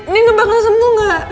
nino bakal sembuh gak